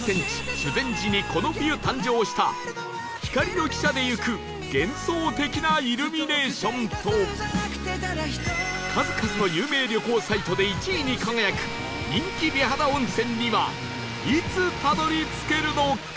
修善寺にこの冬誕生した光の汽車で行く幻想的なイルミネーションと数々の有名旅行サイトで１位に輝く人気美肌温泉にはいつたどり着けるのか？